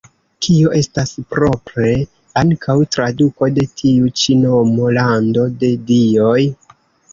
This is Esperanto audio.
Kio estas propre ankaŭ traduko de tiu ĉi nomo: "Lando de dioj".